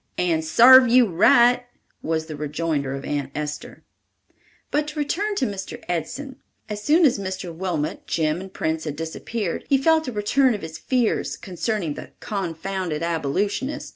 "And sarved you right," was the rejoinder of Aunt Esther. But to return to Mr. Edson. As soon as Mr. Wilmot, Jim and Prince had disappeared, he felt a return of his fears concerning the "confounded Abolitionist."